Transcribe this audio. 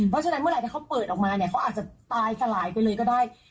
ไม่ว่าเขาเปิดออกมาเขาอาจจะตายกลายก็ได้